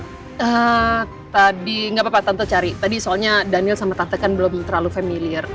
tadi nggak apa apa tante tante cari tadi soalnya daniel sama tante kan belum terlalu familiar